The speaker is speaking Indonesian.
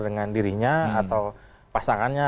dengan dirinya atau pasangannya